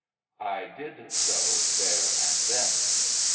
I did so there and then.